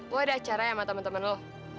lo ada acara ya sama temen temen lu